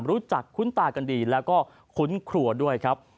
คุ้นตากันดีแล้วก็คุ้นครัวด้วยครับ